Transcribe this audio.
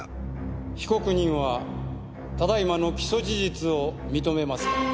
被告人はただ今の起訴事実を認めますか？